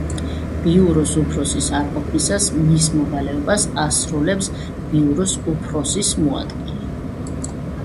ბიუროს უფროსის არყოფნისას მის მოვალეობას ასრულებს ბიუროს უფროსის მოადგილე.